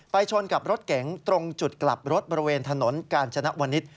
ชนกับรถเก๋งตรงจุดกลับรถบริเวณถนนกาญจนวนิษฐ์